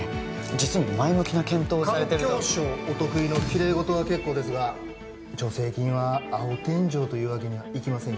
実に前向きな環境省お得意の綺麗事は結構ですが助成金は青天井というわけにはいきませんよ